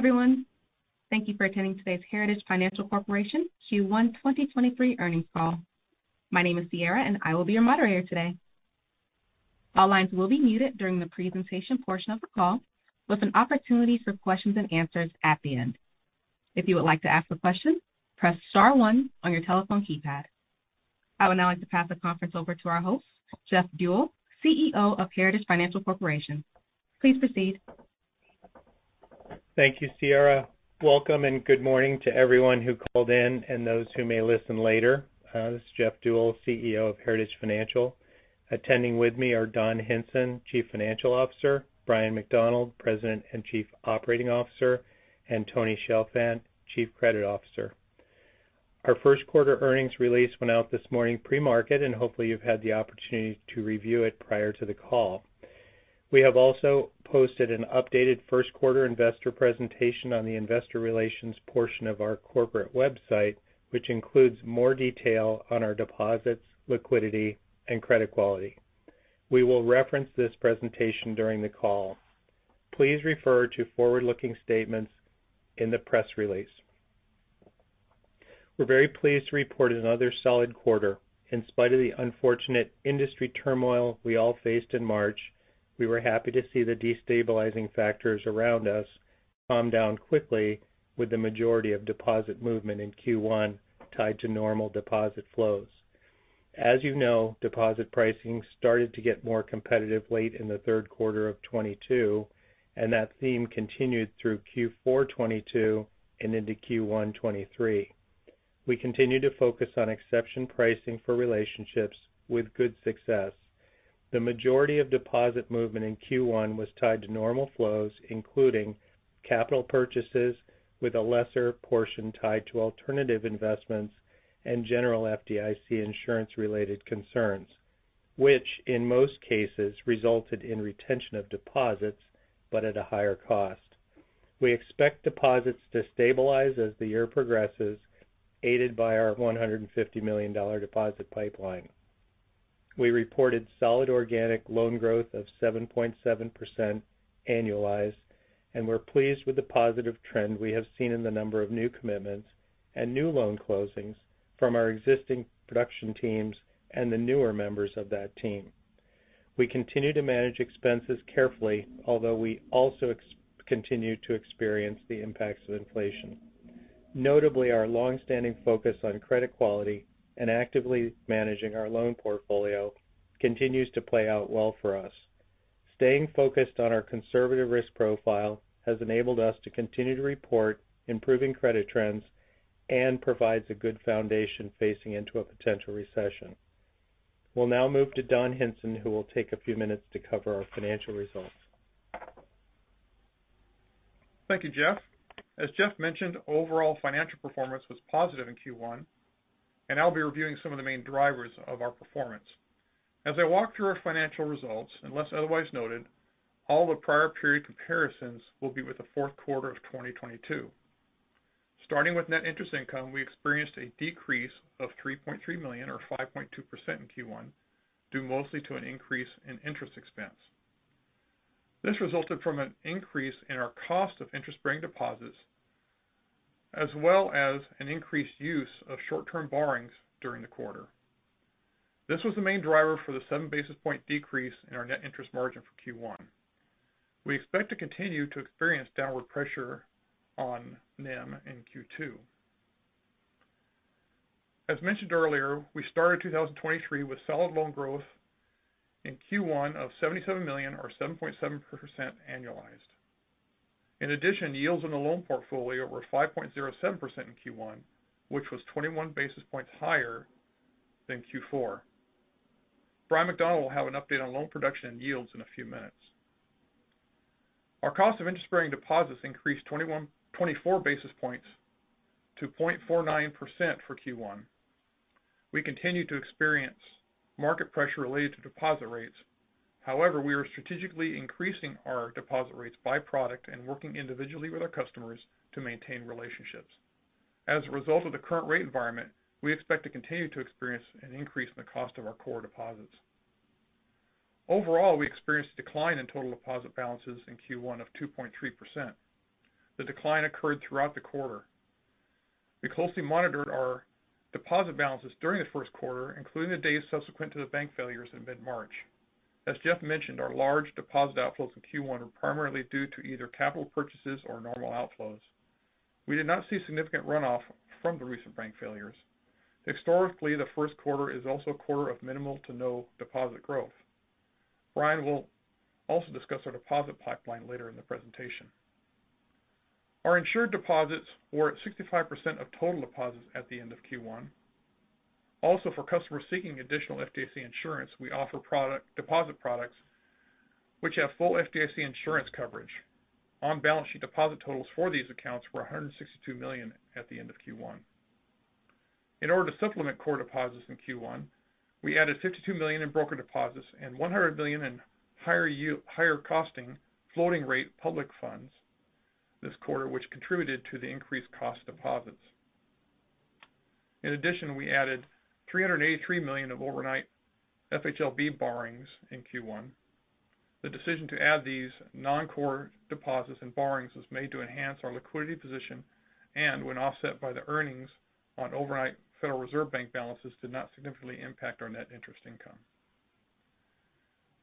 Hello, everyone. Thank you for attending today's Heritage Financial Corporation Q1 2023 earnings call. My name is Sierra, and I will be your moderator today. All lines will be muted during the presentation portion of the call, with an opportunity for questions-and-answers at the end. If you would like to ask a question, press star one on your telephone keypad. I would now like to pass the conference over to our host, Jeffrey J. Deuel, CEO of Heritage Financial Corporation. Please proceed. Thank you, Sierra. Welcome, good morning to everyone who called in and those who may listen later. This is Jeff Deuel, CEO of Heritage Financial. Attending with me are Don Hinson, Chief Financial Officer, Brian McDonald, President and Chief Operating Officer, and Tony Chalfant, Chief Credit Officer. Our first quarter earnings release went out this morning pre-market, hopefully you've had the opportunity to review it prior to the call. We have also posted an updated first quarter investor presentation on the investor relations portion of our corporate website, which includes more detail on our deposits, liquidity, and credit quality. We will reference this presentation during the call. Please refer to forward-looking statements in the press release. We're very pleased to report another solid quarter. In spite of the unfortunate industry turmoil we all faced in March, we were happy to see the destabilizing factors around us calm down quickly with the majority of deposit movement in Q1 tied to normal deposit flows. As you know, deposit pricing started to get more competitive late in the third quarter of 2022. That theme continued through Q4 2022 and into Q1 2023. We continue to focus on exception pricing for relationships with good success. The majority of deposit movement in Q1 was tied to normal flows, including capital purchases with a lesser portion tied to alternative investments and general FDIC insurance-related concerns, which in most cases resulted in retention of deposits but at a higher cost. We expect deposits to stabilize as the year progresses, aided by our $150 million deposit pipeline. We reported solid organic loan growth of 7.7% annualized. We're pleased with the positive trend we have seen in the number of new commitments and new loan closings from our existing production teams and the newer members of that team. We continue to manage expenses carefully, although we also continue to experience the impacts of inflation. Notably, our long-standing focus on credit quality and actively managing our loan portfolio continues to play out well for us. Staying focused on our conservative risk profile has enabled us to continue to report improving credit trends and provides a good foundation facing into a potential recession. We'll now move to Don Hinson, who will take a few minutes to cover our financial results. Thank you, Jeff. As Jeff mentioned, overall financial performance was positive in Q1, and I'll be reviewing some of the main drivers of our performance. As I walk through our financial results, unless otherwise noted, all the prior period comparisons will be with the fourth quarter of 2022. Starting with net interest income, we experienced a decrease of $3.3 million or 5.2% in Q1, due mostly to an increase in interest expense. This resulted from an increase in our cost of interest-bearing deposits, as well as an increased use of short-term borrowings during the quarter. This was the main driver for the 7 basis point decrease in our net interest margin for Q1. We expect to continue to experience downward pressure on NIM in Q2. As mentioned earlier, we started 2023 with solid loan growth in Q1 of $77 million or 7.7% annualized. Yields in the loan portfolio were 5.07% in Q1, which was 21 basis points higher than Q4. Brian McDonald will have an update on loan production and yields in a few minutes. Our cost of interest-bearing deposits increased 24 basis points to 0.49% for Q1. We continue to experience market pressure related to deposit rates. We are strategically increasing our deposit rates by product and working individually with our customers to maintain relationships. As a result of the current rate environment, we expect to continue to experience an increase in the cost of our core deposits. We experienced a decline in total deposit balances in Q1 of 2.3%. The decline occurred throughout the quarter. We closely monitored our deposit balances during the first quarter, including the days subsequent to the bank failures in mid-March. As Jeff mentioned, our large deposit outflows in Q1 were primarily due to either capital purchases or normal outflows. We did not see significant runoff from the recent bank failures. Historically, the first quarter is also a quarter of minimal to no deposit growth. Brian will also discuss our deposit pipeline later in the presentation. Our insured deposits were at 65% of total deposits at the end of Q1. Also, for customers seeking additional FDIC insurance, we offer deposit products which have full FDIC insurance coverage. On-balance sheet deposit totals for these accounts were $162 million at the end of Q1. In order to supplement core deposits in Q1, we added $62 million in broker deposits and $100 million in higher costing floating rate public funds this quarter, which contributed to the increased cost deposits. In addition, we added $383 million of overnight FHLB borrowings in Q1. The decision to add these non-core deposits and borrowings was made to enhance our liquidity position and when offset by the earnings on overnight Federal Reserve Bank balances did not significantly impact our net interest income.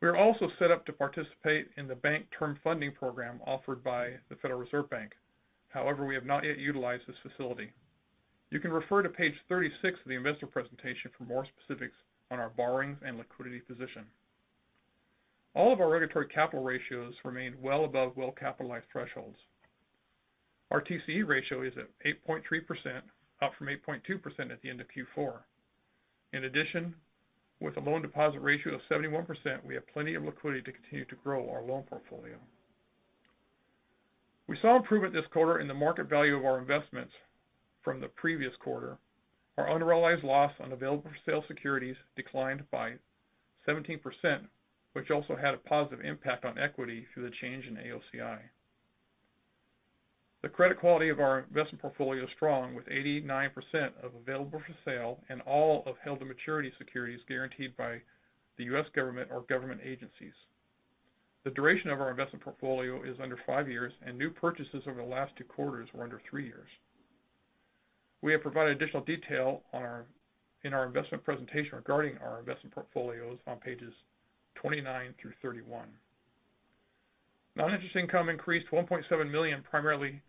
We are also set up to participate in the Bank Term Funding Program offered by the Federal Reserve Bank. However, we have not yet utilized this facility. You can refer to page 36 of the investor presentation for more specifics on our borrowings and liquidity position. All of our regulatory capital ratios remain well above well-capitalized thresholds. Our TCE ratio is at 8.3%, up from 8.2% at the end of Q4. With a loan-to-deposit ratio of 71%, we have plenty of liquidity to continue to grow our loan portfolio. We saw improvement this quarter in the market value of our investments from the previous quarter. Our unrealized loss on available for sale securities declined by 17%, which also had a positive impact on equity through the change in AOCI. The credit quality of our investment portfolio is strong, with 89% of available for sale and all of Held to Maturity securities guaranteed by the U.S. government or government agencies. The duration of our investment portfolio is under five years and new purchases over the last two quarters were under three years. We have provided additional detail in our investment presentation regarding our investment portfolios on pages 29 through 31. Non-interest income increased to $1.7 million, primarily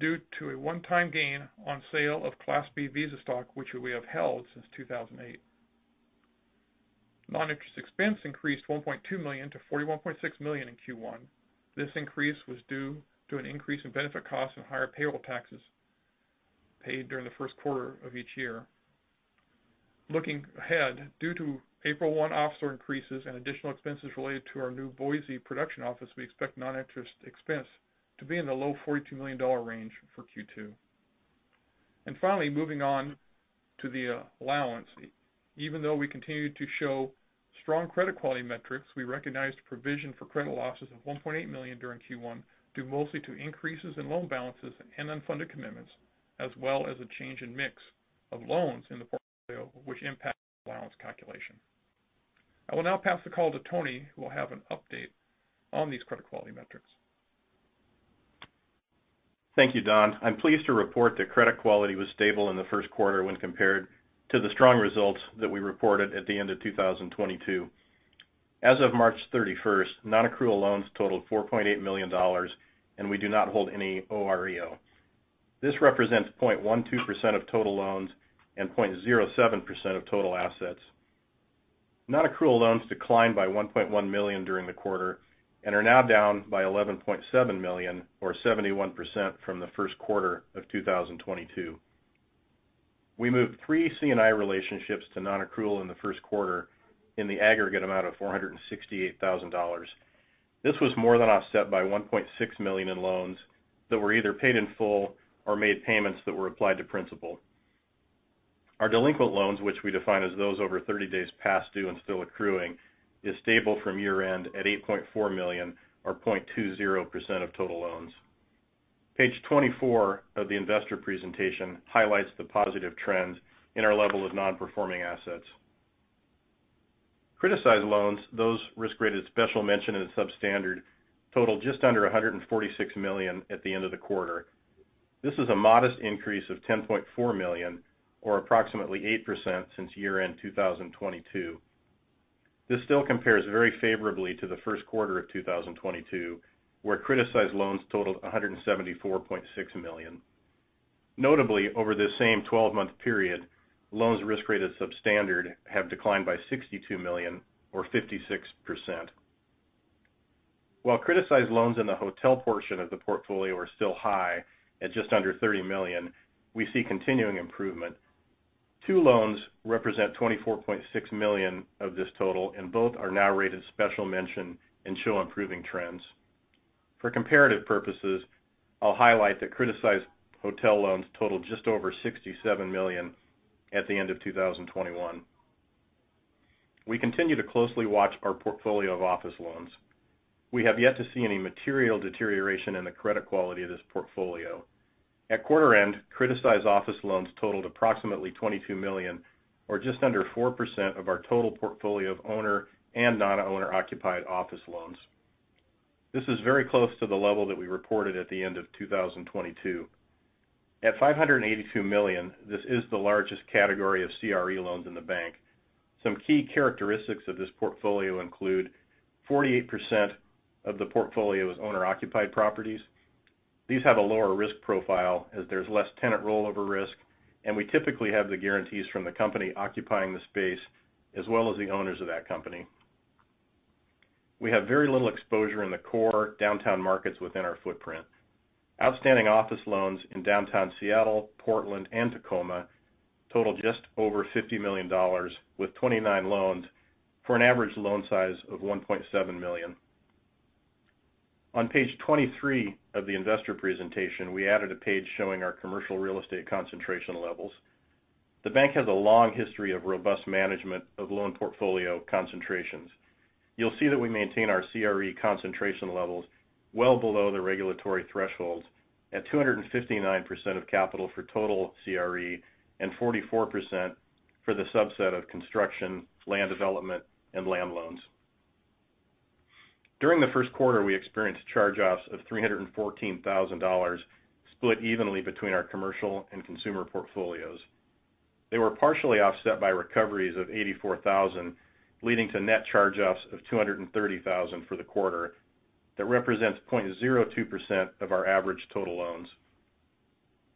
due to a one-time gain on sale of Class B Visa stock, which we have held since 2008. Non-interest expense increased $1.2 million-$41.6 million in Q1. This increase was due to an increase in benefit costs and higher payroll taxes paid during the first quarter of each year. Looking ahead, due to April 1 officer increases and additional expenses related to our new Boise production office, we expect non-interest expense to be in the low $42 million range for Q2. Finally, moving on to the allowance. Even though we continue to show strong credit quality metrics, we recognized a provision for credit losses of $1.8 million during Q1, due mostly to increases in loan balances and unfunded commitments, as well as a change in mix of loans in the portfolio which impact the allowance calculation. I will now pass the call to Tony, who will have an update on these credit quality metrics. Thank you. Don. I'm pleased to report that credit quality was stable in the first quarter when compared to the strong results that we reported at the end of 2022. As of March 31st, non-accrual loans totaled $4.8 million, and we do not hold any OREO. This represents 0.12% of total loans and 0.07% of total assets. Non-accrual loans declined by $1.1 million during the quarter and are now down by $11.7 million or 71% from the first quarter of 2022. We moved 3 C&I relationships to non-accrual in the first quarter in the aggregate amount of $468,000. This was more than offset by $1.6 million in loans that were either paid in full or made payments that were applied to principal. Our delinquent loans, which we define as those over 30 days past due and still accruing, is stable from year-end at $8.4 million or 0.20% of total loans. Page 24 of the investor presentation highlights the positive trends in our level of non-performing assets. Criticized loans, those risk-graded special mention and substandard, totaled just under $146 million at the end of the quarter. This is a modest increase of $10.4 million or approximately 8% since year-end 2022. This still compares very favorably to the first quarter of 2022, where criticized loans totaled $174.6 million. Notably, over this same 12-month period, loans risk-rated substandard have declined by $62 million or 56%. While criticized loans in the hotel portion of the portfolio are still high at just under $30 million, we see continuing improvement. Two loans represent $24.6 million of this total, and both are now rated special mention and show improving trends. For comparative purposes, I'll highlight that criticized hotel loans totaled just over $67 million at the end of 2021. We continue to closely watch our portfolio of office loans. We have yet to see any material deterioration in the credit quality of this portfolio. At quarter end, criticized office loans totaled approximately $22 million or just under 4% of our total portfolio of owner and non-owner occupied office loans. This is very close to the level that we reported at the end of 2022. At $582 million, this is the largest category of CRE loans in the bank. Some key characteristics of this portfolio include 48% of the portfolio is owner-occupied properties. These have a lower risk profile as there's less tenant rollover risk, and we typically have the guarantees from the company occupying the space as well as the owners of that company. We have very little exposure in the core downtown markets within our footprint. Outstanding office loans in downtown Seattle, Portland, and Tacoma total just over $50 million, with 29 loans for an average loan size of $1.7 million. On page 23 of the investor presentation, we added a page showing our commercial real estate concentration levels. The bank has a long history of robust management of loan portfolio concentrations. You'll see that we maintain our CRE concentration levels well below the regulatory thresholds at 259% of capital for total CRE and 44% for the subset of construction, land development, and land loans. During the first quarter, we experienced charge-offs of $314,000 split evenly between our commercial and consumer portfolios. They were partially offset by recoveries of $84,000, leading to net charge-offs of $230,000 for the quarter. That represents 0.02% of our average total loans.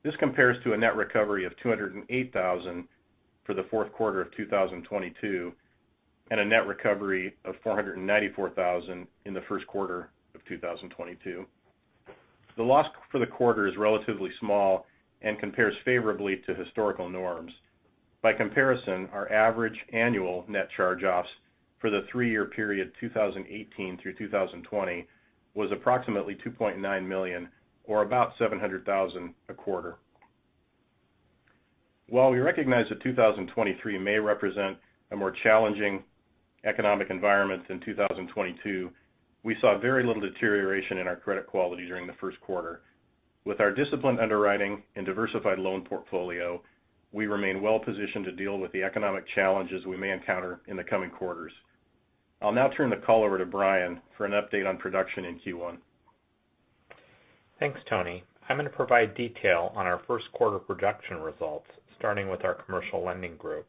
This compares to a net recovery of $208,000 for the fourth quarter of 2022, and a net recovery of $494,000 in the first quarter of 2022. The loss for the quarter is relatively small and compares favorably to historical norms. By comparison, our average annual net charge-offs for the three year period, 2018 through 2020, was approximately $2.9 million, or about $700,000 a quarter. While we recognize that 2023 may represent a more challenging economic environment than 2022, we saw very little deterioration in our credit quality during the first quarter. With our disciplined underwriting and diversified loan portfolio, we remain well positioned to deal with the economic challenges we may encounter in the coming quarters. I'll now turn the call over to Brian for an update on production in Q1. Thanks, Tony. I'm gonna provide detail on our first quarter production results, starting with our commercial lending group.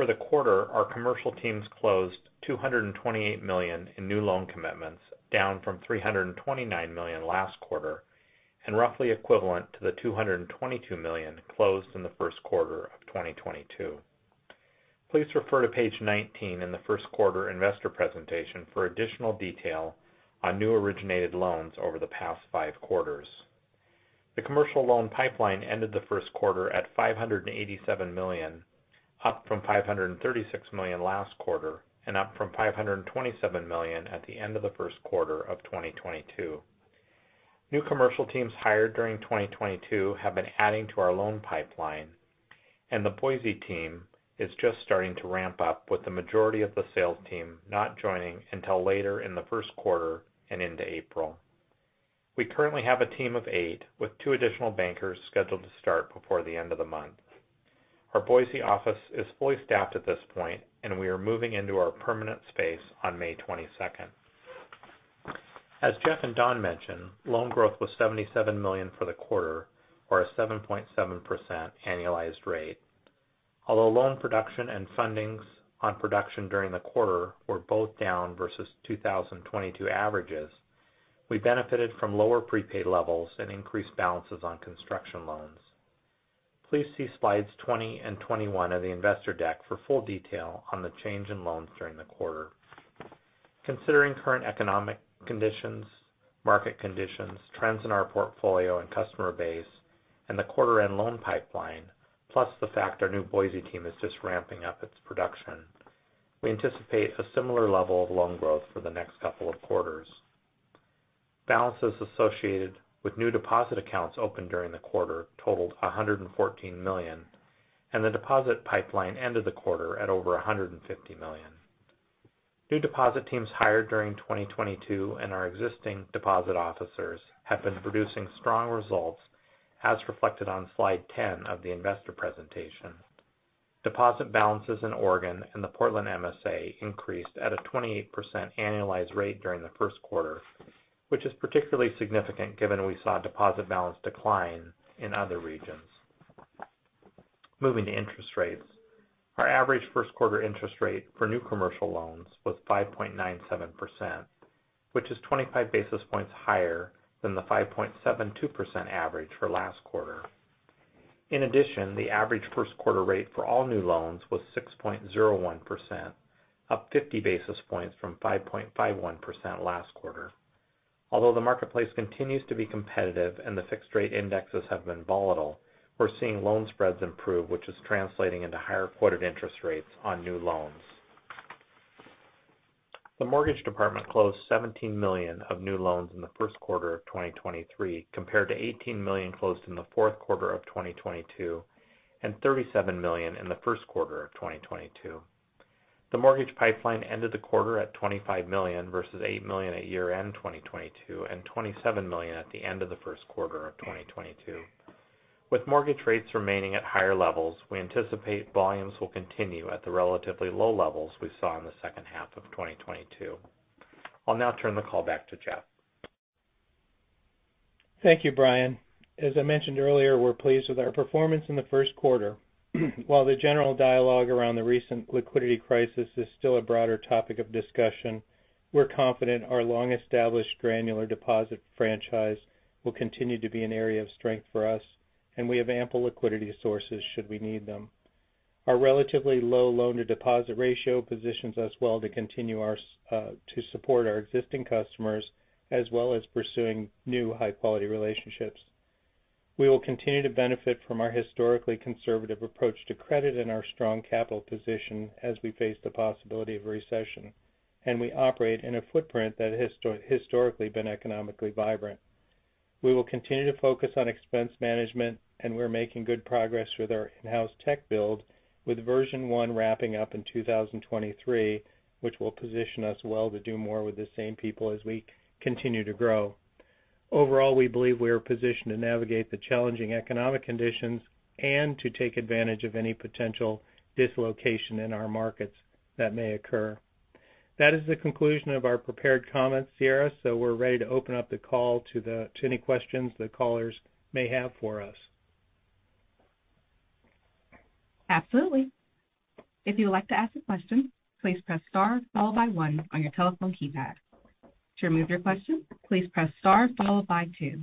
For the quarter, our commercial teams closed $228 million in new loan commitments, down from $329 million last quarter, and roughly equivalent to the $222 million closed in the first quarter of 2022. Please refer to page 19 in the first quarter investor presentation for additional detail on new originated loans over the past five quarters. The commercial loan pipeline ended the first quarter at $587 million, up from $536 million last quarter and up from $527 million at the end of the first quarter of 2022. New commercial teams hired during 2022 have been adding to our loan pipeline, and the Boise team is just starting to ramp up, with the majority of the sales team not joining until later in the first quarter and into April. We currently have a team of eight, with two additional bankers scheduled to start before the end of the month. Our Boise office is fully staffed at this point, and we are moving into our permanent space on May 22nd. As Jeff and Don mentioned, loan growth was $77 million for the quarter, or a 7.7% annualized rate. Although loan production and fundings on production during the quarter were both down versus 2022 averages, we benefited from lower prepaid levels and increased balances on construction loans. Please see slides 20 and 21 of the investor deck for full detail on the change in loans during the quarter. Considering current economic conditions, market conditions, trends in our portfolio and customer base, and the quarter end loan pipeline, plus the fact our new Boise team is just ramping up its production, we anticipate a similar level of loan growth for the next couple of quarters. Balances associated with new deposit accounts opened during the quarter totaled $114 million, and the deposit pipeline ended the quarter at over $150 million. New deposit teams hired during 2022 and our existing deposit officers have been producing strong results, as reflected on slide 10 of the investor presentation. Deposit balances in Oregon and the Portland MSA increased at a 28% annualized rate during the first quarter, which is particularly significant given we saw deposit balance decline in other regions. Moving to interest rates. Our average first quarter interest rate for new commercial loans was 5.97%, which is 25 basis points higher than the 5.72% average for last quarter. In addition, the average first quarter rate for all new loans was 6.01%, up 50 basis points from 5.51% last quarter. Although the marketplace continues to be competitive and the fixed rate indexes have been volatile, we're seeing loan spreads improve, which is translating into higher quoted interest rates on new loans. The mortgage department closed $17 million of new loans in the first quarter of 2023 compared to $18 million closed in the fourth quarter of 2022 and $37 million in the first quarter of 2022. The mortgage pipeline ended the quarter at $25 million versus $8 million at year-end 2022 and $27 million at the end of the first quarter of 2022. With mortgage rates remaining at higher levels, we anticipate volumes will continue at the relatively low levels we saw in the second half of 2022. I'll now turn the call back to Jeff. Thank you, Brian. As I mentioned earlier, we're pleased with our performance in the first quarter. While the general dialogue around the recent liquidity crisis is still a broader topic of discussion, we're confident our long-established granular deposit franchise will continue to be an area of strength for us, and we have ample liquidity sources should we need them. Our relatively low loan-to-deposit ratio positions us well to continue to support our existing customers, as well as pursuing new high-quality relationships. We will continue to benefit from our historically conservative approach to credit and our strong capital position as we face the possibility of recession, and we operate in a footprint that historically been economically vibrant. We will continue to focus on expense management, and we're making good progress with our in-house tech build, with version one wrapping up in 2023, which will position us well to do more with the same people as we continue to grow. Overall, we believe we are positioned to navigate the challenging economic conditions and to take advantage of any potential dislocation in our markets that may occur. That is the conclusion of our prepared comments, Sierra. We're ready to open up the call to any questions that callers may have for us. Absolutely. If you would like to ask a question, please press star followed by one on your telephone keypad. To remove your question, please press star followed by two.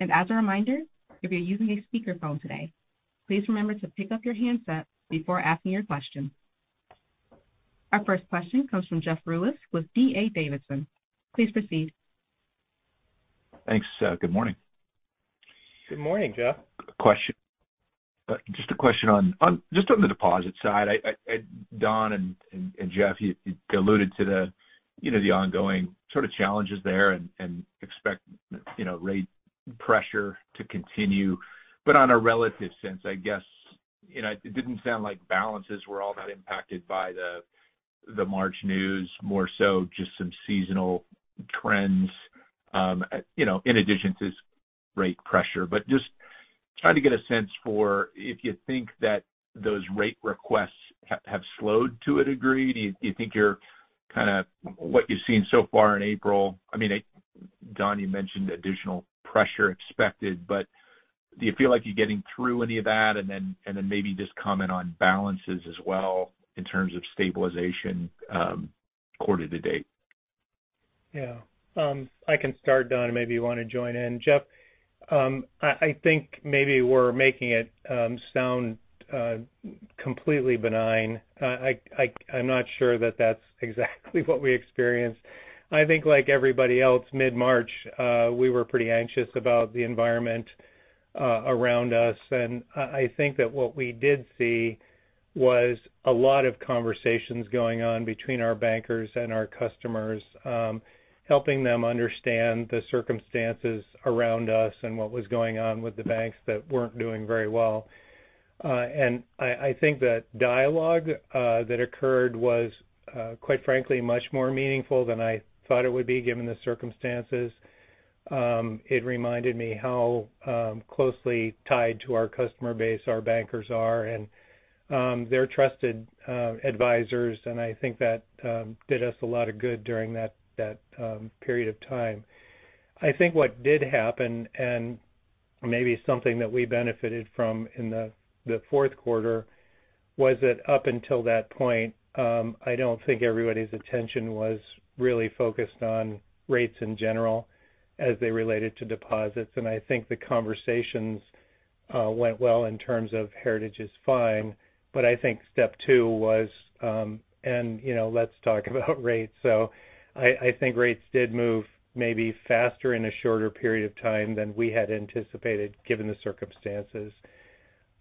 As a reminder, if you're using a speakerphone today, please remember to pick up your handset before asking your question. Our first question comes from Jeff Rulis with D.A. Davidson. Please proceed. Thanks. Good morning. Good morning, Jeff. Just a question on the deposit side. Don and Jeff, you alluded to the, you know, ongoing sort of challenges there and expect, you know, rate pressure to continue. On a relative sense, I guess, you know, it didn't sound like balances were all that impacted by the March news, more so just some seasonal trends, you know, in addition to rate pressure. Just trying to get a sense for if you think that those rate requests have slowed to a degree. Do you think you're kind of what you've seen so far in April? I mean, Don, you mentioned additional pressure expected, but do you feel like you're getting through any of that? Then maybe just comment on balances as well in terms of stabilization, quarter to date. I can start, Don, and maybe you want to join in. Jeff, I think maybe we're making it sound completely benign. I'm not sure that that's exactly what we experienced. I think like everybody else mid-March, we were pretty anxious about the environment around us. I think that what we did see was a lot of conversations going on between our bankers and our customers, helping them understand the circumstances around us and what was going on with the banks that weren't doing very well. And I think the dialogue that occurred was quite frankly, much more meaningful than I thought it would be given the circumstances. It reminded me how closely tied to our customer base our bankers are and their trusted advisors, and I think that did us a lot of good during that period of time. I think what did happen, and maybe something that we benefited from in the fourth quarter, was that up until that point, I don't think everybody's attention was really focused on rates in general as they related to deposits. I think the conversations went well in terms of Heritage is fine. I think step two was, you know, let's talk about rates. I think rates did move maybe faster in a shorter period of time than we had anticipated given the circumstances.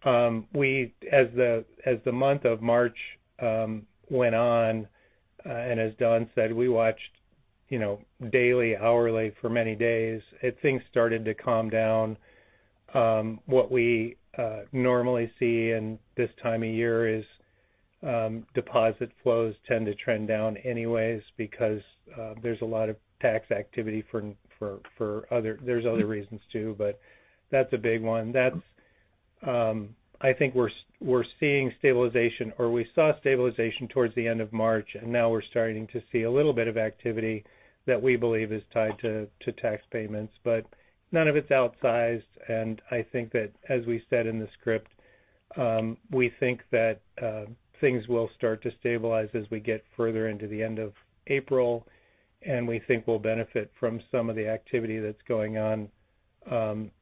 As the month of March went on, and as Don said, we watched, you know, daily, hourly for many days and things started to calm down. What we normally see in this time of year is deposit flows tend to trend down anyways because there's a lot of tax activity for other reasons too, but that's a big one. That's, I think we're seeing stabilization or we saw stabilization towards the end of March, and now we're starting to see a little bit of activity that we believe is tied to tax payments. None of it's outsized. I think that as we said in the script, we think that things will start to stabilize as we get further into the end of April. We think we'll benefit from some of the activity that's going on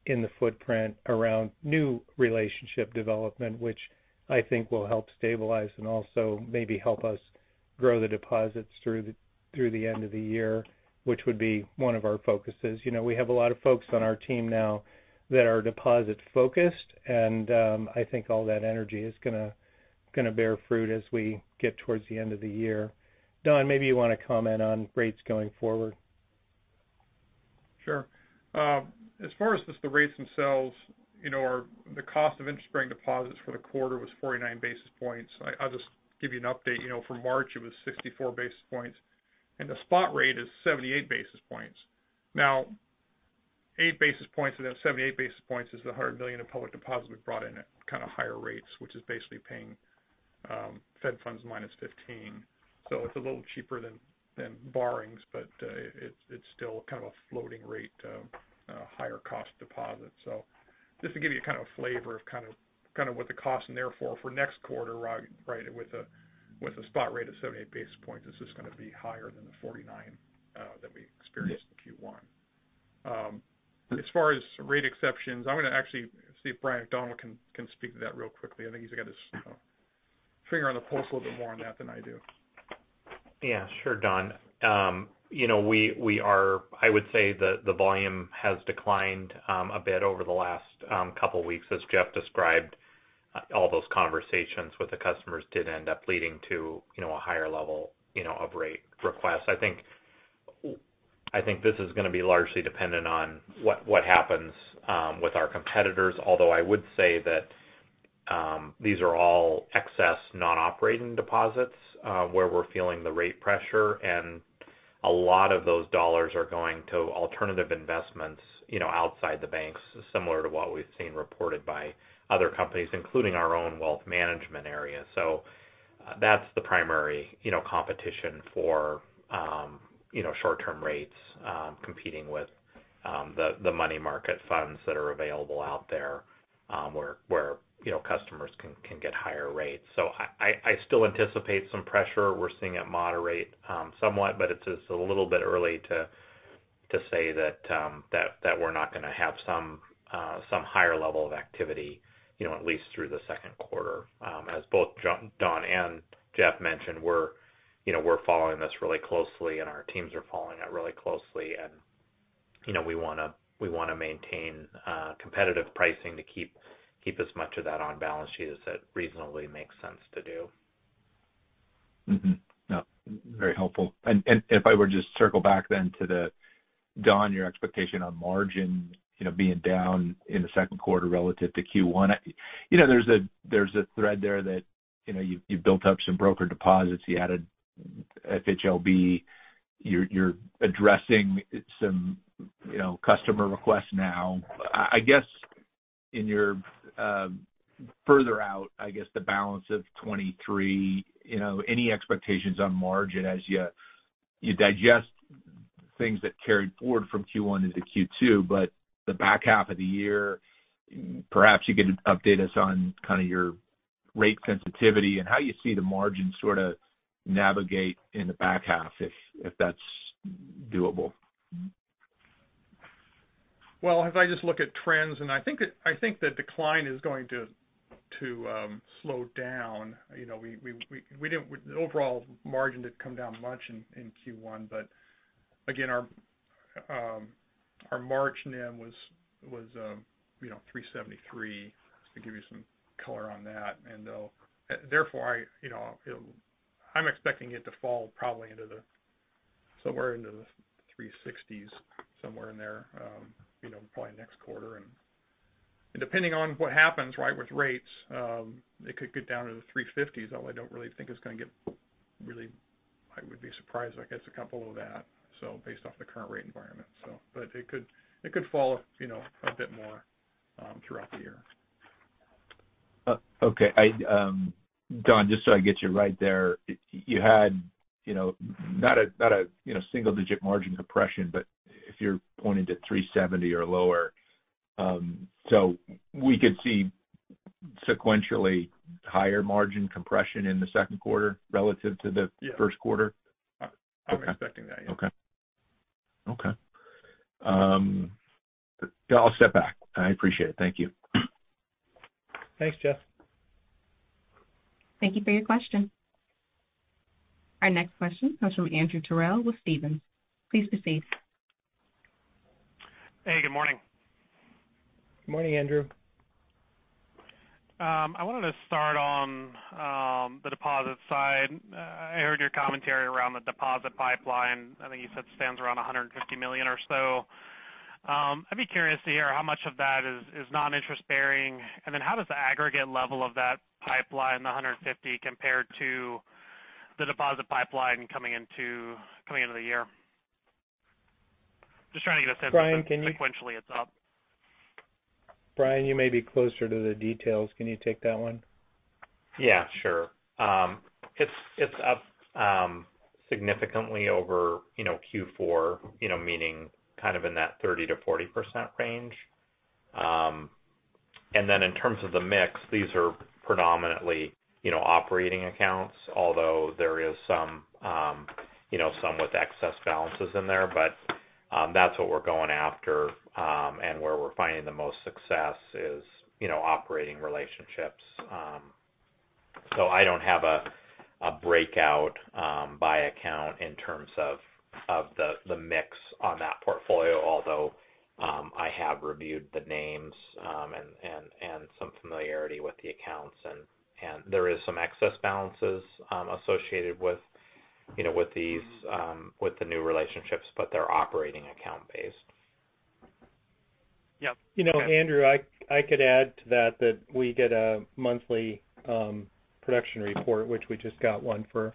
in the footprint around new relationship development, which I think will help stabilize and also maybe help us grow the deposits through the end of the year, which would be one of our focuses. You know, we have a lot of folks on our team now that are deposit-focused, and I think all that energy is gonna bear fruit as we get towards the end of the year. Don, maybe you want to comment on rates going forward. Sure. As far as just the rates themselves, you know, the cost of interest-bearing deposits for the quarter was 49 basis points. I'll just give you an update. You know, for March it was 64 basis points, and the spot rate is 78 basis points. Now, 8 basis points of that 78 basis points is the $100 million of public deposits we brought in at kind of higher rates, which is basically paying Fed funds minus 15. It's a little cheaper than borrowings. It's still kind of a floating rate higher cost deposit. Just to give you kind of a flavor of kind of what the cost and therefore for next quarter, right, with a, with a spot rate of 78 basis points is just gonna be higher than the 49 that we experienced in Q1. As far as rate exceptions, I'm gonna actually see if Brian McDonald can speak to that real quickly. I think he's got his finger on the pulse a little bit more on that than I do. Yeah, sure, Don. you know, we are I would say the volume has declined a bit over the last couple weeks as Jeff described. All those conversations with the customers did end up leading to, you know, a higher level, you know, of rate requests. I think this is going to be largely dependent on what happens with our competitors. Although I would say that these are all excess non-operating deposits where we're feeling the rate pressure. A lot of those dollars are going to alternative investments, you know, outside the banks, similar to what we've seen reported by other companies, including our own wealth management area. That's the primary, you know, competition for you know, short-term rates, competing with the money market funds that are available out there, where, you know, customers can get higher rates. I still anticipate some pressure. We're seeing it moderate somewhat, but it's just a little bit early to say that we're not going to have some higher level of activity, you know, at least through the second quarter. As both Don and Jeff mentioned, we're, you know, following this really closely and our teams are following it really closely. You know, we wanna maintain competitive pricing to keep as much of that on balance sheet as it reasonably makes sense to do. No, very helpful. If I were to just circle back then to Don, your expectation on margin, you know, being down in the second quarter relative to Q1. You know, there's a, there's a thread there that, you know, you've built up some broker deposits. You added FHLB. You're addressing some, you know, customer requests now. I guess in your, further out, I guess, the balance of 23, you know, any expectations on margin as you digest things that carried forward from Q1 into Q2. The back half of the year, perhaps you could update us on kind of your rate sensitivity and how you see the margin sort of navigate in the back half, if that's doable. Well, if I just look at trends, and I think that, I think the decline is going to slow down. You know, the overall margin didn't come down much in Q1. Again, our margin then was, you know, 3.73%, to give you some color on that. Therefore I, you know, I'm expecting it to fall probably somewhere into the 3.60s, somewhere in there, you know, probably next quarter. Depending on what happens, right, with rates, it could get down to the 3.50s, although I don't really think it's going to get I would be surprised, I guess, to come below that, so based off the current rate environment. It could fall, you know, a bit more throughout the year. Okay. I, Don, just so I get you right there. You had, you know, not a, not a, you know, single-digit margin compression, but if you're pointing to 3.70% or lower. We could see sequentially higher margin compression in the second quarter. Yeah. first quarter? I'm expecting that. Okay. Okay. I'll step back. I appreciate it. Thank you. Thanks, Jeff. Thank you for your question. Our next question comes from Andrew Terrell with Stephens. Please proceed. Hey, good morning. Good morning, Andrew. I wanted to start on the deposit side. I heard your commentary around the deposit pipeline. I think you said it stands around $150 million or so. I'd be curious to hear how much of that is non-interest-bearing. How does the aggregate level of that pipeline, the $150 million, compare to the deposit pipeline coming into the year? Just trying to get a sense of. Brian, can you... sequentially it's up. Brian, you may be closer to the details. Can you take that one? Yeah, sure. It's, it's up significantly over, you know, Q4, you know, meaning kind of in that 30%-40% range. In terms of the mix, these are predominantly, you know, operating accounts, although there is some, you know, some with excess balances in there. That's what we're going after, and where we're finding the most success is, you know, operating relationships. I don't have a breakout by account in terms of the mix on that portfolio. Although, I have reviewed the names, and, and some familiarity with the accounts and there is some excess balances associated with, you know, with these, with the new relationships, but they're operating account based. Yeah. You know, Andrew, I could add to that we get a monthly production report, which we just got one for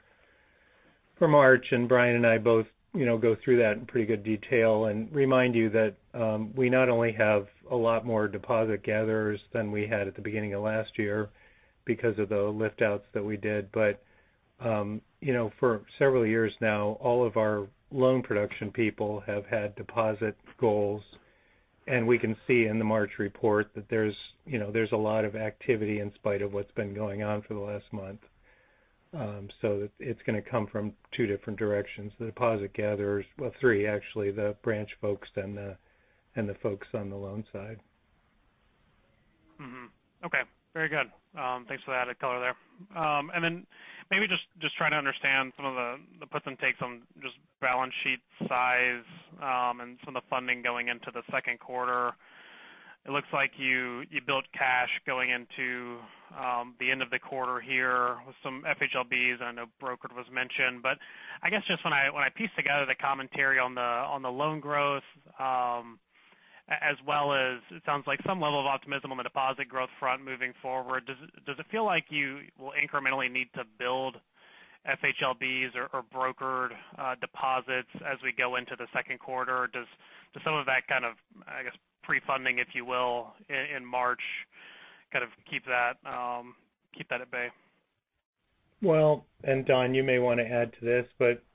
March. Brian and I both, you know, go through that in pretty good detail and remind you that we not only have a lot more deposit gatherers than we had at the beginning of last year because of the lift outs that we did. You know, for several years now, all of our loan production people have had deposit goals. We can see in the March report that there's, you know, there's a lot of activity in spite of what's been going on for the last month. It's gonna come from two different directions. The deposit gatherers-- well, three, actually, the branch folks and the, and the folks on the loan side. Okay. Very good. Thanks for that color there. Then maybe just trying to understand some of the puts and takes on just balance sheet size. And some of the funding going into the second quarter, it looks like you built cash going into the end of the quarter here with some FHLBs, and I know brokered was mentioned. I guess, just when I piece together the commentary on the loan growth, as well as it sounds like some level of optimism on the deposit growth front moving forward, does it feel like you will incrementally need to build FHLBs or brokered deposits as we go into the second quarter? Does some of that kind of, I guess, pre-funding, if you will, in March kind of keep that, keep that at bay? Don, you may want to add to this,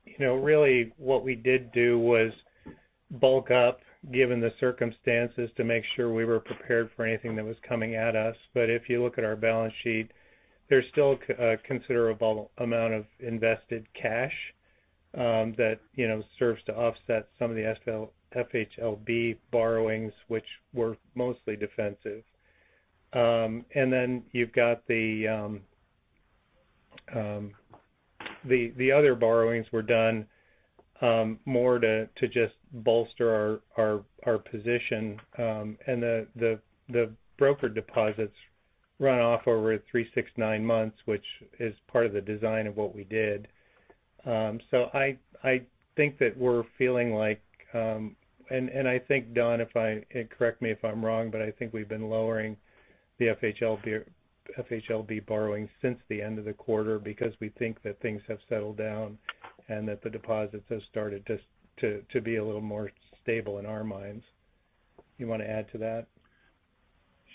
you know, really what we did do was bulk up given the circumstances to make sure we were prepared for anything that was coming at us. If you look at our balance sheet, there's still a considerable amount of invested cash, that, you know, serves to offset some of the FHLB borrowings, which were mostly defensive. You've got the other borrowings were done, more to just bolster our position. The broker deposits run off over three, six, nine months, which is part of the design of what we did. I think that we're feeling like, and I think, Don, and correct me if I'm wrong, but I think we've been lowering the FHLB borrowing since the end of the quarter because we think that things have settled down and that the deposits have started to be a little more stable in our minds. You wanna add to that?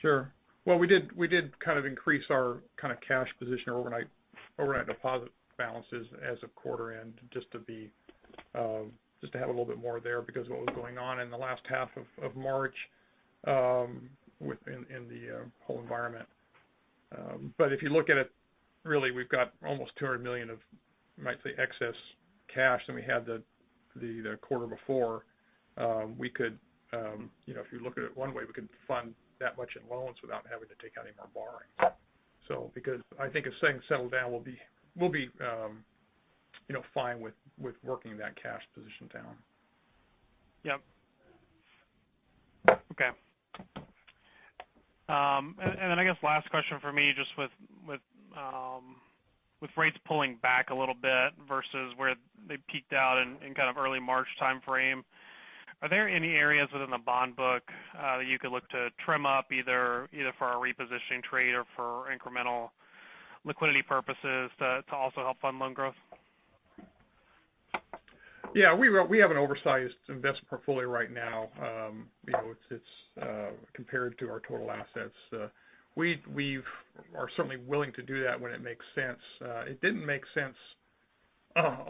Sure. Well, we did kind of increase our kinda cash position overnight deposit balances as of quarter-end, just to be, just to have a little bit more there because of what was going on in the last half of March, in the whole environment. If you look at it, really, we've got almost $200 million of, you might say, excess cash than we had the quarter before. We could, you know, if you look at it one way, we could fund that much in loans without having to take out any more borrowing. Because I think as things settle down, we'll be, you know, fine with working that cash position down. Yep. Okay. Then I guess last question for me, just with rates pulling back a little bit versus where they peaked out in kind of early March timeframe, are there any areas within the bond book that you could look to trim up either for a repositioning trade or for incremental liquidity purposes to also help fund loan growth? Yeah. We have an oversized investment portfolio right now. You know, it's compared to our total assets. We are certainly willing to do that when it makes sense. It didn't make sense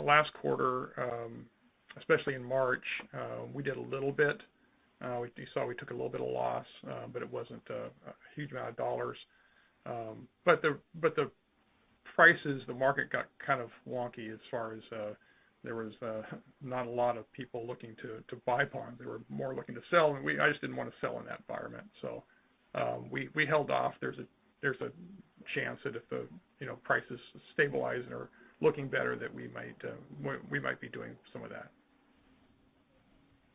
last quarter, especially in March. We did a little bit. You saw we took a little bit of loss, but it wasn't a huge amount of dollars. But the prices, the market got kind of wonky as far as there was not a lot of people looking to buy bonds. They were more looking to sell. I just didn't wanna sell in that environment. We held off. There's a chance that if the, you know, prices stabilize and are looking better, that we might, we might be doing some of that.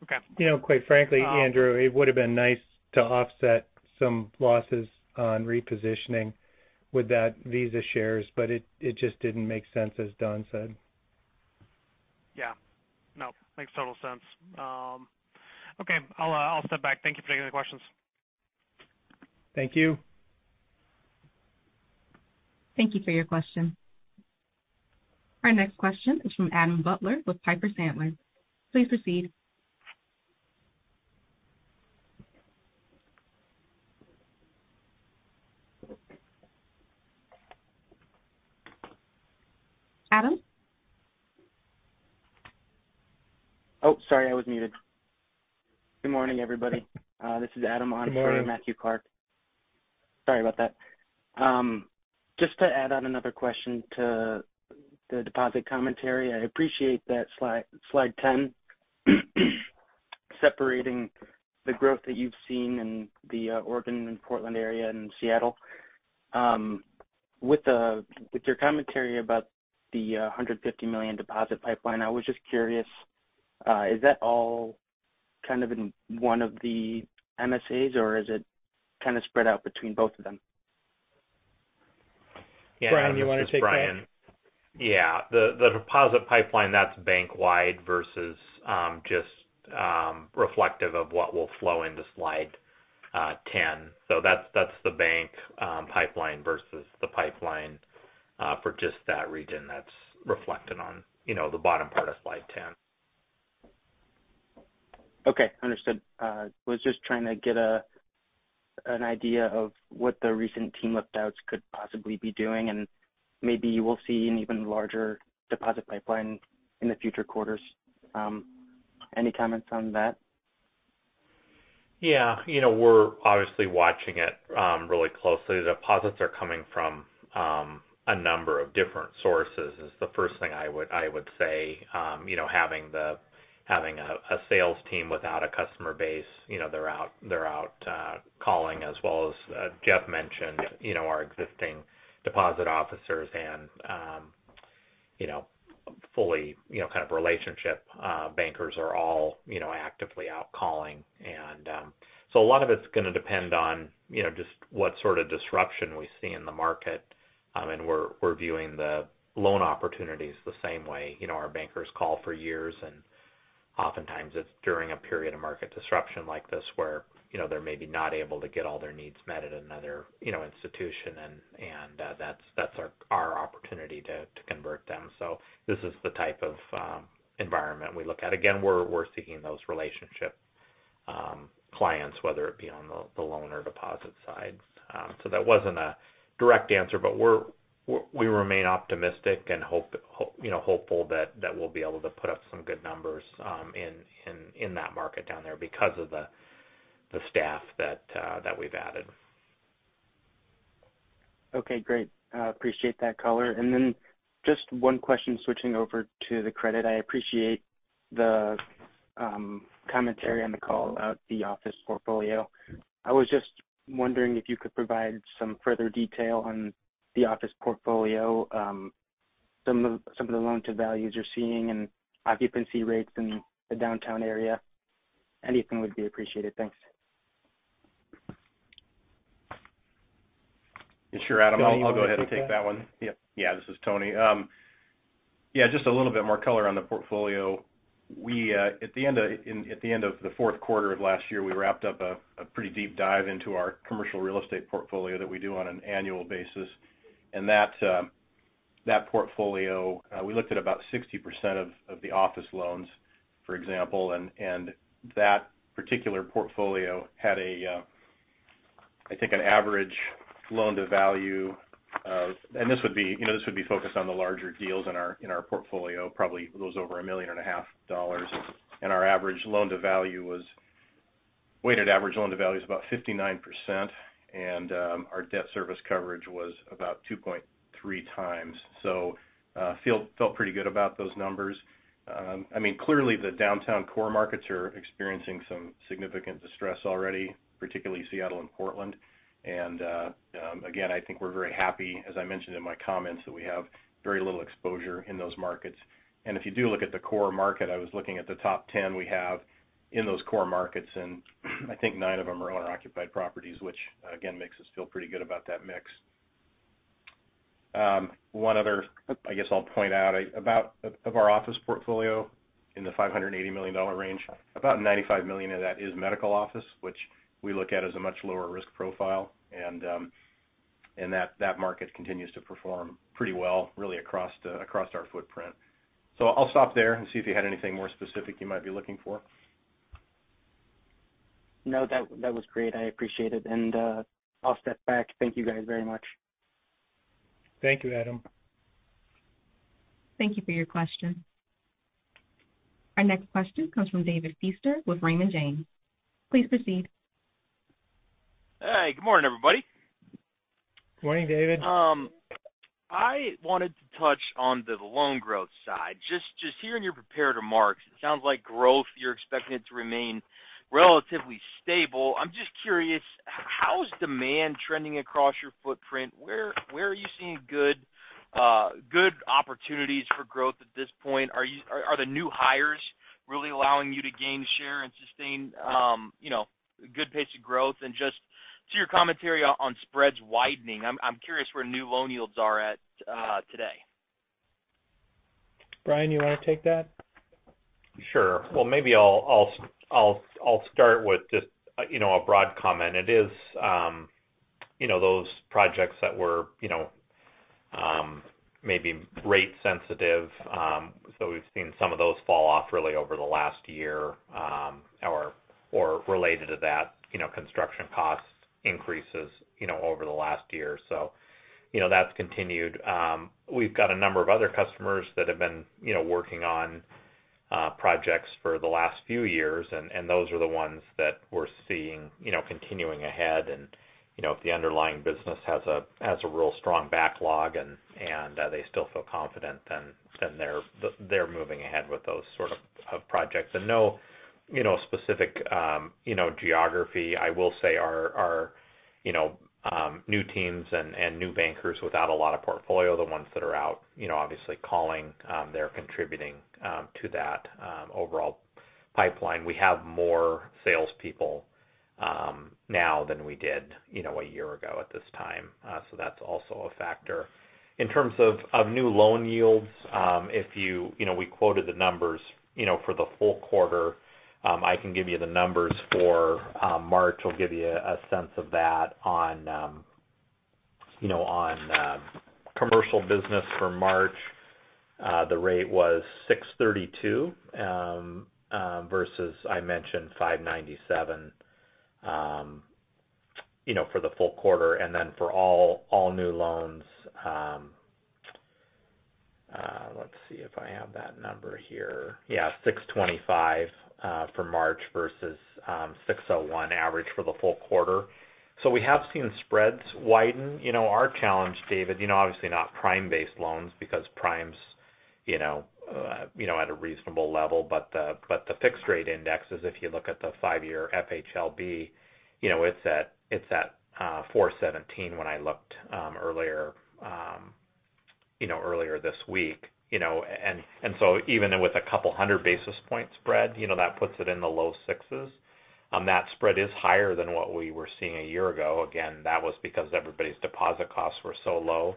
Okay. You know, quite frankly, Andrew, it would have been nice to offset some losses on repositioning with that Visa shares, but it just didn't make sense as Don said. Yeah. No, makes total sense. Okay. I'll step back. Thank you for taking the questions. Thank you. Thank you for your question. Our next question is from Adam Butler with Piper Sandler. Please proceed. Adam? Oh, sorry, I was muted. Good morning, everybody. This is Adam. Good morning. For Matthew Clark. Sorry about that. Just to add on another question to the deposit commentary. I appreciate that slide 10, separating the growth that you've seen in the Oregon and Portland area and Seattle. With your commentary about the $150 million deposit pipeline, I was just curious, is that all kind of in one of the MSAs or is it kind of spread out between both of them? Brian, you wanna take that? Yeah. This is Brian. Yeah. The deposit pipeline, that's bank-wide versus, just, reflective of what will flow into slide 10. That's the bank, pipeline versus the pipeline, for just that region that's reflected on, you know, the bottom part of slide 10. Okay. Understood. was just trying to get an idea of what the recent team lift-outs could possibly be doing. Maybe you will see an even larger deposit pipeline in the future quarters. Any comments on that? Yeah. You know, we're obviously watching it, really closely. The deposits are coming from, a number of different sources is the first thing I would say. You know, having a sales team without a customer base, you know, they're out calling as well as Jeff mentioned, you know, our existing deposit officers and, you know, fully, you know, kind of relationship bankers are all, you know, actively out calling. A lot of it's gonna depend on, you know, just what sort of disruption we see in the market. We're viewing the loan opportunities the same way. Our bankers call for years, oftentimes it's during a period of market disruption like this where, you know, they're maybe not able to get all their needs met at another, you know, institution. That's our opportunity to convert them. This is the type of environment we look at. Again, we're seeking those relationship clients, whether it be on the loan or deposit side. That wasn't a direct answer. We remain optimistic and hope, you know, hopeful that we'll be able to put up some good numbers in that market down there because of the staff that we've added. Okay. Great. Appreciate that color. Just one question switching over to the credit. I appreciate the commentary on the call about the office portfolio. I was just wondering if you could provide some further detail on the office portfolio, some of the loan-to-values you're seeing and occupancy rates in the downtown area. Anything would be appreciated. Thanks. Sure, Adam. I'll go ahead and take that one. Yep. Yeah, this is Tony. Yeah, just a little bit more color on the portfolio. We, at the end of the fourth quarter of last year, we wrapped up a pretty deep dive into our commercial real estate portfolio that we do on an annual basis. That portfolio, we looked at about 60% of the office loans, for example. That particular portfolio had a, I think an average loan-to-value of... This would be, you know, this would be focused on the larger deals in our portfolio, probably those over $1.5 million. Our weighted average loan-to-value is about 59%, and our debt service coverage was about 2.3x. Felt pretty good about those numbers. I mean, clearly the downtown core markets are experiencing some significant distress already, particularly Seattle and Portland. Again, I think we're very happy, as I mentioned in my comments, that we have very little exposure in those markets. If you do look at the core market, I was looking at the top 10 we have in those core markets, and I think nine of them are owner-occupied properties, which again, makes us feel pretty good about that mix. One other, I guess, I'll point out. About our office portfolio in the $580 million range, about $95 million of that is medical office, which we look at as a much lower risk profile. That market continues to perform pretty well really across our footprint. I'll stop there and see if you had anything more specific you might be looking for? No. That was great. I appreciate it. I'll step back. Thank you guys very much. Thank you, Adam. Thank you for your question. Our next question comes from David Feaster with Raymond James. Please proceed. Hey. Good morning, everybody. Morning, David. I wanted to touch on the loan growth side. Just hearing your prepared remarks, it sounds like growth, you're expecting it to remain relatively stable. I'm just curious, how's demand trending across your footprint? Where are you seeing good opportunities for growth at this point? Are the new hires really allowing you to gain share and sustain, you know, good pace of growth? Just to your commentary on spreads widening, I'm curious where new loan yields are at today. Brian, you wanna take that? Sure. Maybe I'll start with just, you know, a broad comment. It is, you know, those projects that were, you know, maybe rate sensitive. We've seen some of those fall off really over the last year, or related to that, you know, construction cost increases, you know, over the last year. That's continued. We've got a number of other customers that have been, you know, working on projects for the last few years. And those are the ones that we're seeing, you know, continuing ahead. If the underlying business has a real strong backlog and they still feel confident, then they're moving ahead with those sort of projects. No, you know, specific, you know, geography. I will say our, you know, new teams and new bankers without a lot of portfolio, the ones that are out, you know, obviously calling, they're contributing to that overall pipeline. We have more salespeople now than we did, you know, a year ago at this time. That's also a factor. In terms of new loan yields, You know, we quoted the numbers, you know, for the full quarter. I can give you the numbers for March. I'll give you a sense of that on, you know, on commercial business for March, the rate was 6.32 versus I mentioned 5.97, you know, for the full quarter. Then for all new loans, let's see if I have that number here. Yeah. 6.25 for March versus 6.01 average for the full quarter. We have seen spreads widen. You know, our challenge, David, you know, obviously not prime-based loans because prime's, you know, at a reasonable level. The fixed rate indexes, if you look at the five-year FHLB, you know, it's at, it's at 4.17 when I looked earlier this week, you know, even with a couple of 100 basis points spread, you know, that puts it in the low 6s. That spread is higher than what we were seeing a year ago. That was because everybody's deposit costs were so low.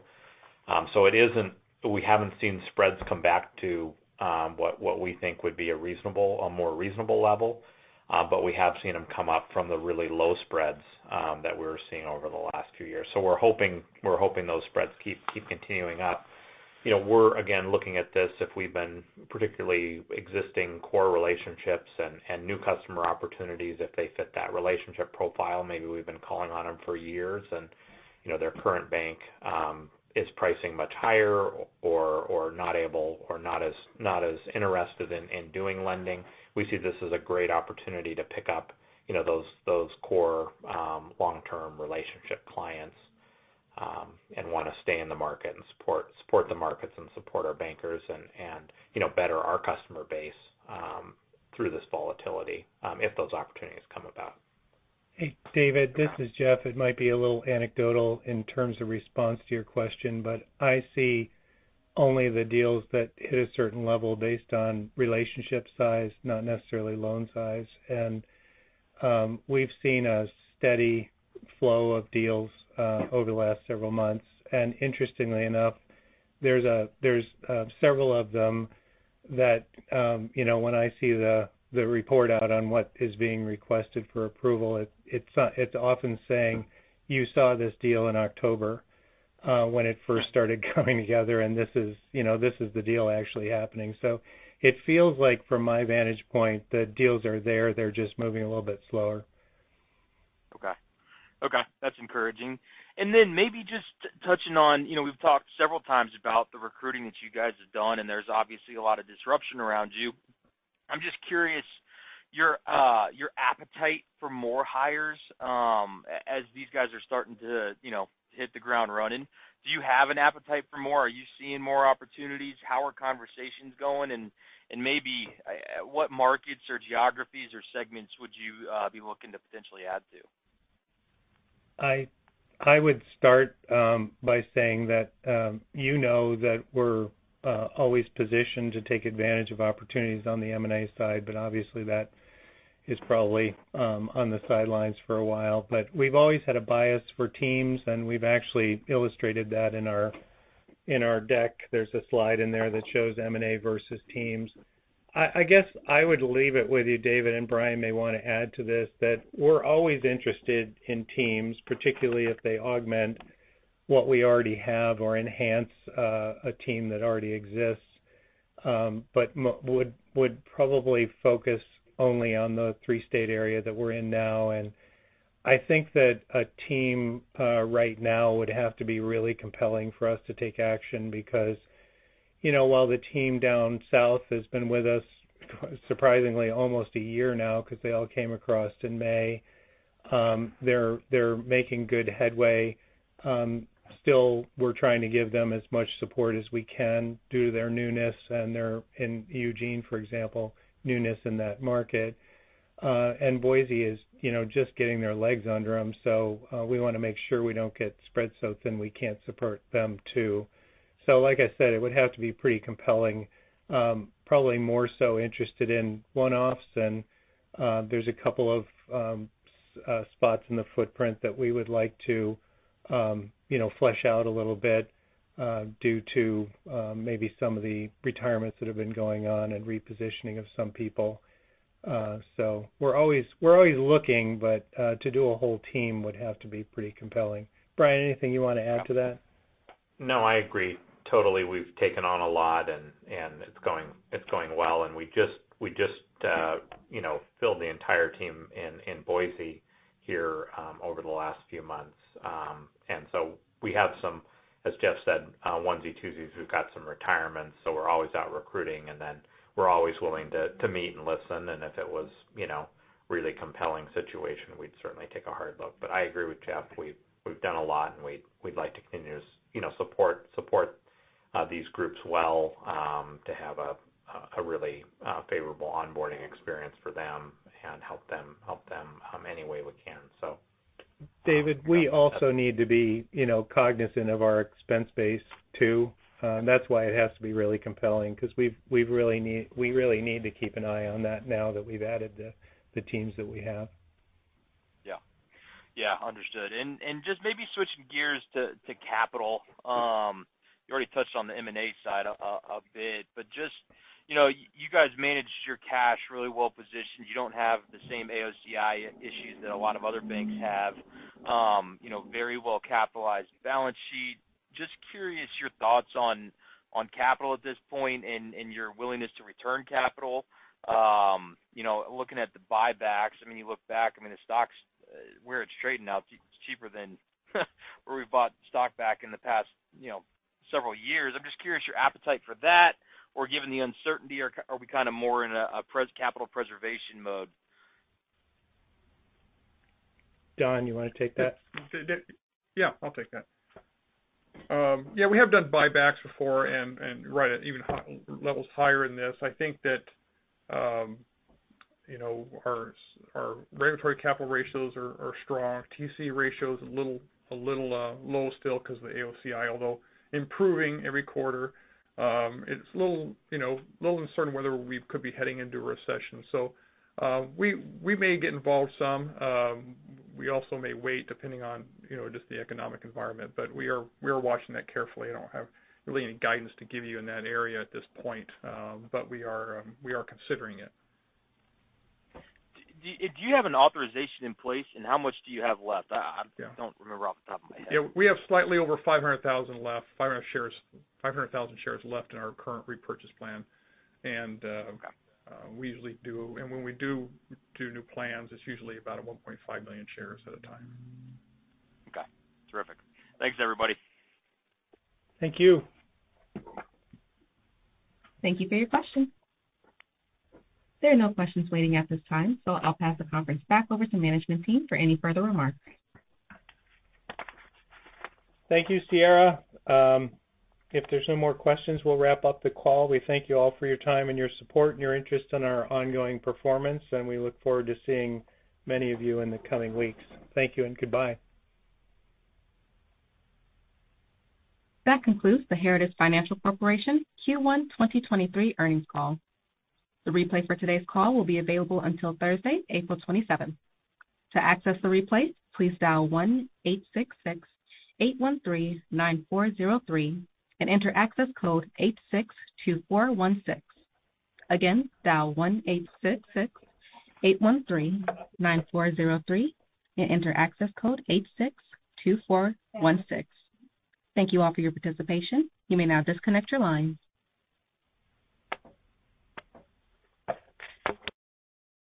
We haven't seen spreads come back to what we think would be a reasonable, a more reasonable level, but we have seen them come up from the really low spreads that we were seeing over the last few years. We're hoping those spreads keep continuing up. You know, we're again, looking at this if we've been particularly existing core relationships and new customer opportunities, if they fit that relationship profile, maybe we've been calling on them for years. You know, their current bank is pricing much higher or not able or not as interested in doing lending. We see this as a great opportunity to pick up, you know, those core, long-term relationship clients, and wanna stay in the market and support the markets and support our bankers and, you know, better our customer base, through this volatility, if those opportunities come about. Hey, David, this is Jeff. It might be a little anecdotal in terms of response to your question, but I see only the deals that hit a certain level based on relationship size, not necessarily loan size. We've seen a steady flow of deals over the last several months. Interestingly enough, there's several of them that, you know, when I see the report out on what is being requested for approval, it's, it's often saying, you saw this deal in October when it first started coming together, and this is, you know, this is the deal actually happening. It feels like from my vantage point, the deals are there. They're just moving a little bit slower. Okay. Okay, that's encouraging. Maybe just touching on, you know, we've talked several times about the recruiting that you guys have done, and there's obviously a lot of disruption around you. I'm just curious, your appetite for more hires as these guys are starting to, you know, hit the ground running. Do you have an appetite for more? Are you seeing more opportunities? How are conversations going? Maybe what markets or geographies or segments would you be looking to potentially add to? I would start by saying that, you know that we're always positioned to take advantage of opportunities on the M&A side, obviously that is probably on the sidelines for a while. We've always had a bias for teams, and we've actually illustrated that in our, in our deck. There's a slide in there that shows M&A versus teams. I guess I would leave it with you, David, Brian may want to add to this, that we're always interested in teams, particularly if they augment what we already have or enhance a team that already exists. would probably focus only on the three-state area that we're in now. I think that a team right now would have to be really compelling for us to take action because, you know, while the team down south has been with us surprisingly almost a year now because they all came across in May, they're making good headway. Still, we're trying to give them as much support as we can due to their newness and in Eugene, for example, newness in that market. Boise is, you know, just getting their legs under them. We want to make sure we don't get spread so thin we can't support them, too. Like I said, it would have to be pretty compelling. Probably more so interested in one-offs, there's a couple of spots in the footprint that we would like to, you know, flesh out a little bit, due to maybe some of the retirements that have been going on and repositioning of some people. We're always looking, to do a whole team would have to be pretty compelling. Brian, anything you want to add to that? No, I agree. Totally. We've taken on a lot and it's going well. We just, you know, filled the entire team in Boise here over the last few months. We have some, as Jeff said, onesie, twosies. We've got some retirements, so we're always out recruiting, and then we're always willing to meet and listen. If it was, you know, a really compelling situation, we'd certainly take a hard look. I agree with Jeff. We've done a lot, and we'd like to continue to, you know, support these groups well to have a really favorable onboarding experience for them and help them any way we can. So. David, we also need to be, you know, cognizant of our expense base, too. That's why it has to be really compelling because we've really need to keep an eye on that now that we've added the teams that we have. Yeah. Yeah, understood. Just maybe switching gears to capital. You already touched on the M&A side a bit, but just, you know, you guys manage your cash really well-positioned. You don't have the same AOCI issues that a lot of other banks have. You know, very well-capitalized balance sheet. Just curious your thoughts on capital at this point and your willingness to return capital. You know, looking at the buybacks, I mean, you look back, I mean, the stock's, where it's trading now, it's cheaper than where we bought stock back in the past, you know, several years. I'm just curious your appetite for that, or given the uncertainty, are we kind of more in a capital preservation mode? Don, you want to take that? yeah, I'll take that. Yeah, we have done buybacks before and right at even levels higher than this. I think that, you know, our regulatory capital ratios are strong. TCE ratio is a little low still 'cause of the AOCI, although improving every quarter. It's a little, you know, a little uncertain whether we could be heading into a recession. So, we may get involved some. We also may wait depending on, you know, just the economic environment. But we are watching that carefully. I don't have really any guidance to give you in that area at this point. But we are considering it. Do you have an authorization in place, and how much do you have left? Yeah. Don't remember off the top of my head. Yeah. We have slightly over 500,000 left, 500,000 shares left in our current repurchase plan. Okay. We usually do. When we do new plans, it's usually about 1.5 million shares at a time. Okay. Terrific. Thanks, everybody. Thank you. Thank you for your question. There are no questions waiting at this time, so I'll pass the conference back over to management team for any further remarks. Thank you, Sierra. If there's no more questions, we'll wrap up the call. We thank you all for your time and your support and your interest in our ongoing performance. We look forward to seeing many of you in the coming weeks. Thank you and goodbye. That concludes the Heritage Financial Corporation Q1 2023 earnings call. The replay for today's call will be available until Thursday, April 27. To access the replay, please dial 1-866-813-9403 and enter access code 862416. Dial 1-866-813-9403 and enter access code 862416. Thank you all for your participation. You may now disconnect your lines.